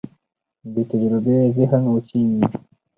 بېتجربې ذهن وچېږي.